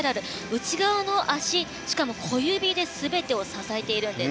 内側の足しかも小指で全てを支えているんです。